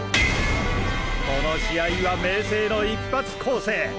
この試合は明青の一発攻勢！